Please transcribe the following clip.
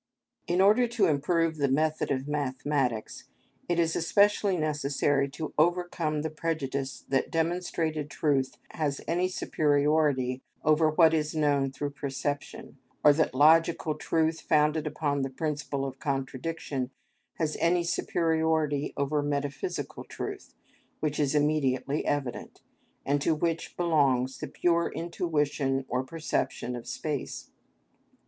In order to improve the method of mathematics, it is especially necessary to overcome the prejudice that demonstrated truth has any superiority over what is known through perception, or that logical truth founded upon the principle of contradiction has any superiority over metaphysical truth, which is immediately evident, and to which belongs the pure intuition or perception of space.